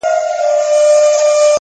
• دا درې جامونـه پـه واوښـتـل؛